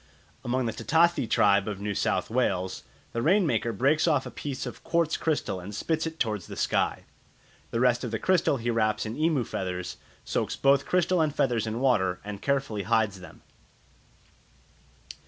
Among the Ta ta thi tribe of New South Wales, the rain maker breaks off a piece of quartz crystal and spits it towards the sky; the rest of the crystal he wraps in emu feathers, soaks both crystal and feathers in water, and carefully hides them.